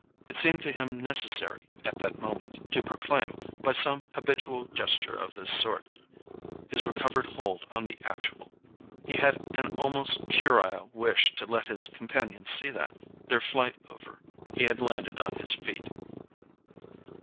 It seemed to him necessary, at that moment, to proclaim, by some habitual gesture of this sort, his recovered hold on the actual: he had an almost puerile wish to let his companion see that, their flight over, he had landed on his feet.